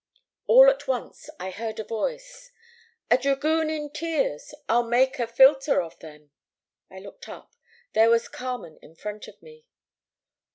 All at once I heard a voice. "'A dragoon in tears. I'll make a philter of them!' "I looked up. There was Carmen in front of me.